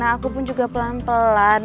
aku pun juga pelan pelan